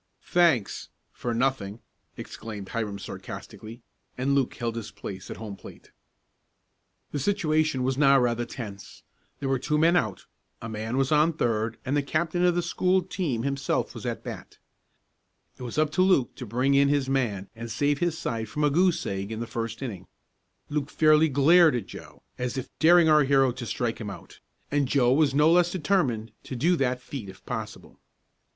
"Thanks for nothing!" exclaimed Hiram sarcastically, and Luke held his place at home plate. The situation was now rather tense. There were two men out, a man was on third and the captain of the school team himself was at bat. It was up to Luke to bring in his man and save his side from a goose egg in the first inning. Luke fairly glared at Joe, as if daring our hero to strike him out, and Joe was no less determined to do that feat if possible.